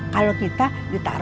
kalau kita ditaruh di rumah jompo